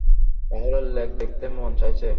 রাহুলের লেক দেখতে মন চাইছে।